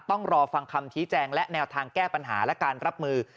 ต้องรอฟังคำชี้แจงและแนวทางแก้ปัญหาและการรับมือ